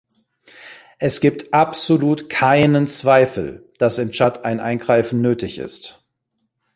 Es gibt absolut keinen Zweifel, dass im Tschad ein Eingreifen nötig ist.